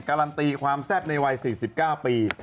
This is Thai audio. การันตีความแซ่บในวัย๔๙ปี